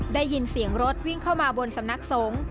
ได้ยินเสียงรถวิ่งเข้ามาบนสำนักสงฆ์